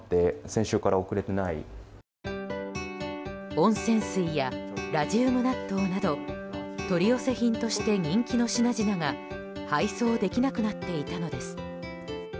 温泉水やラジウム納豆など取り寄せ品として人気の品々が配送できなくなっていたのです。